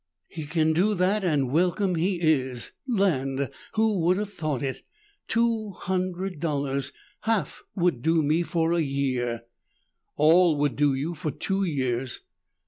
"He can do that and welcome he is. Land! Who would have thought it? Two hundred dollars! Half would do me for a year." "All would do you for two years."